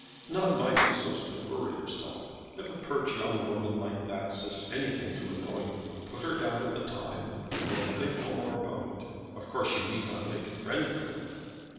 "Not mind it so as to worry yourself. If a pert young woman like that says anything to annoy you, put her down at the time, and then think no more about it. Of course you need not make a friend of her."